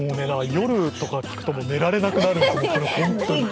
夜とか聴くと寝られなくなる、本当に。